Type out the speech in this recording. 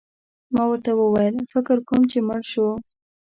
ما ورته وویل: فکر کوم چي مړ شو.